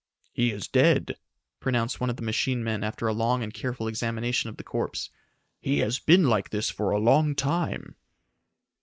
"He is dead!" pronounced one of the machine men after a long and careful examination of the corpse. "He has been like this for a long time."